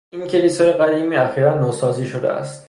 این کلیسای قدیمی اخیرا نوسازی شده است.